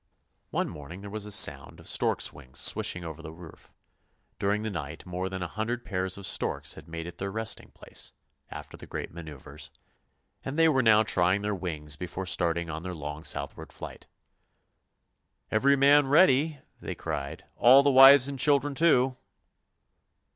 One morning there was a sound of stork's wings swishing over the roof; during the night more than a hundred pairs of storks had made it their resting place, after the great manoeuvres, and THE MARSH KING'S DAUGHTER 281 they were now trying their wings before starting on their long southward flight. " Every man ready! " they cried; " all the wives and children too."